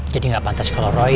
jadi gak pantas kalau roy